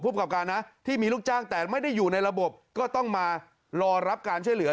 ประกอบการนะที่มีลูกจ้างแต่ไม่ได้อยู่ในระบบก็ต้องมารอรับการช่วยเหลือ